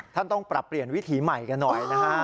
ต้องปรับเปลี่ยนวิถีใหม่กันหน่อยนะฮะ